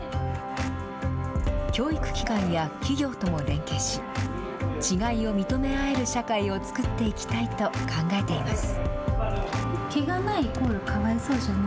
教育機関や企業とも連携し、違いを認め合える社会を作っていきたいと考えています。